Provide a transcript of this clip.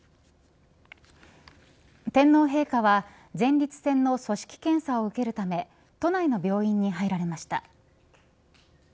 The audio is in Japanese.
天皇陛下は前立腺の組織検査を受けるため都内の病院に入られました。